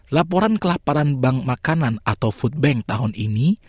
laporan kelaparan bank makanan atau foodbank tahun ini